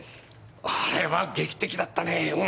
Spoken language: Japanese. あれは劇的だったねうん。